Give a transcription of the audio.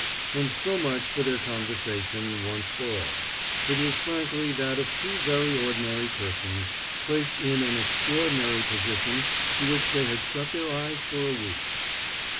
And so much for their conversation, once for all; it was frankly that of two very ordinary persons, placed in an extraordinary position to which they had shut their eyes for a week.